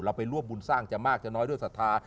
ไปรวบบุญสร้างจะมากจะน้อยด้วยศรัทธา